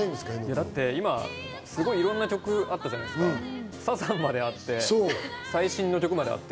だって今いろんな曲あったじゃないですか、サザンまであって、最新の曲まであって。